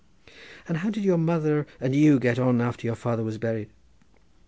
"And how did your mother and you get on after your father was buried?"